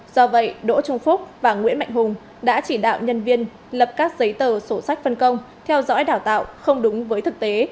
do vậy đỗ trung phúc và nguyễn mạnh hùng đã chỉ đạo nhân viên lập các giấy tờ sổ sách phân công theo dõi đào tạo không đúng với thực tế